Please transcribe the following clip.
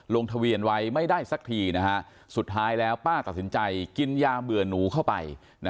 ลงทะเบียนไว้ไม่ได้สักทีสุดท้ายแล้วป้าตัดสินใจกินยาเบื่อหนูเข้าไป